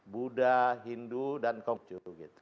buddha hindu dan kongjo